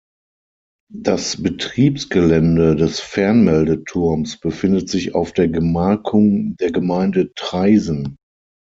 Das Betriebsgelände des Fernmeldeturms befindet sich auf der Gemarkung der Gemeinde Traisen.